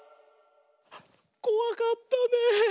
こわかったねえ。